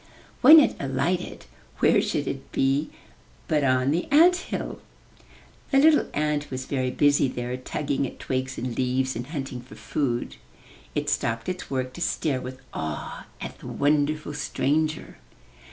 When it alighted, where should it be but on the ant hill ! The little ant was very busy there, tugging at twigs and leaves, and hunting for food. It stopped its work to stare with awe at the wonderful stranger.